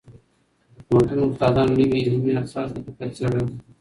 د پوهنتون استادانو نوي علمي اثار په دقت څېړل.